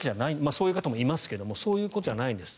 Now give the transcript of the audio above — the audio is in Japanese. そういう人もいますがそういうことじゃないんです。